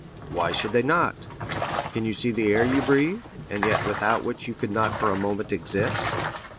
"Why should they not? Can you see the air you breathe, and yet without which you could not for a moment exist?"